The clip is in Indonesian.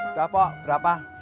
udah pok berapa